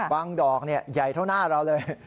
บางดอกเนี่ยใหญ่เท่าหน้าเราเลย